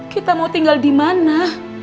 kita mau tinggal di mana